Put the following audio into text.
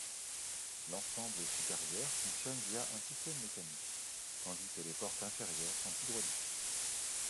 L'ensemble supérieur fonctionne via un système mécanique, tandis que les portes inférieures sont hydraulique.